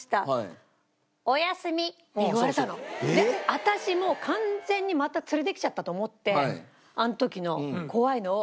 私もう完全にまた連れてきちゃったと思ってあの時の怖いのを。